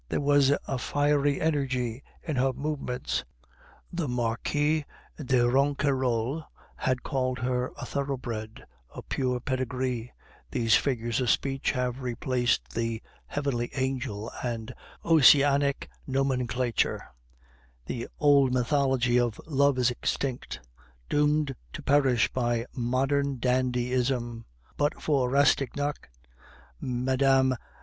There was a fiery energy in her movements; the Marquis de Ronquerolles had called her "a thoroughbred," "a pure pedigree," these figures of speech have replaced the "heavenly angel" and Ossianic nomenclature; the old mythology of love is extinct, doomed to perish by modern dandyism. But for Rastignac, Mme.